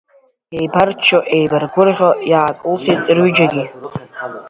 Еибарччо-еибаргәырӷьо иаакылсит рҩыџьегьы.